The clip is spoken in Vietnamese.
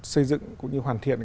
xây dựng cũng như hoàn thiện